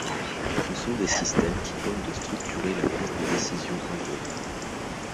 Ce sont des systèmes qui tentent de structurer la prise de décision en groupe.